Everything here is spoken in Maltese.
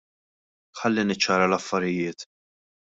Ħalli niċċara l-affarijiet.